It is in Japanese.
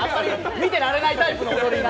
見てられないタイプの踊りで。